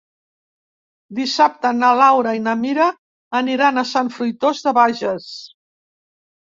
Dissabte na Laura i na Mira aniran a Sant Fruitós de Bages.